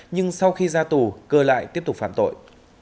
nhưng sau khi ra tù cơ lại tiếp tục phạm tội